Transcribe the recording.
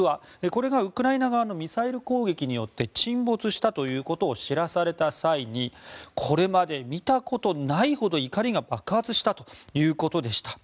これがウクライナ側のミサイル攻撃によって沈没したということを知らされた際にこれまで見たことがないほど怒りが爆発したということでした。